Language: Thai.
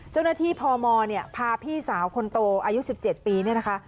เจ้าหน้าที่พมเนี่ยพาพี่สาวคนโตอายุ๑๗ปีเนี่ยนะคะ